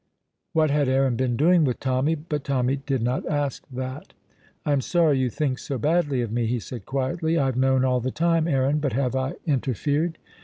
What had Aaron been doing with Tommy? But Tommy did not ask that. "I am sorry you think so badly of me," he said quietly. "I have known all the time, Aaron, but have I interfered?"